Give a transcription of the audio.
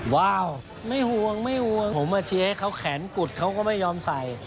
ว้าวไม่ห่วงไม่ห่วงผมมาเชียร์ให้เขาแขนกุดเขาก็ไม่ยอมใส่